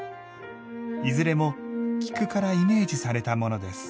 いずれも菊からイメージされたものです。